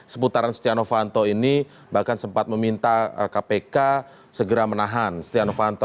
seputaran siti anufanto ini bahkan sempat meminta kpk segera menahan siti anufanto